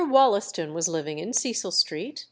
Wollaston was living in Cecil Street (No.